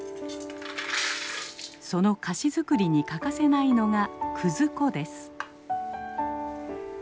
その菓子作りに欠かせないのが葛粉です。